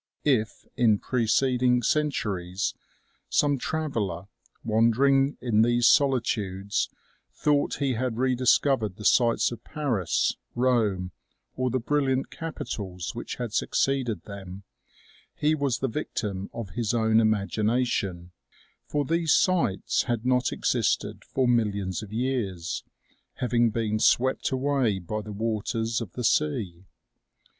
If, in preceding cen 244 OMEGA. turies, some traveller, wandering in these solitudes, thought he had rediscovered the sites of Paris, Rome, or the brilliant capitals which had succeeded them, he was the victim of his own imagination ; for these sites had not existed for millions of years, having been swept away by the waters of the sea.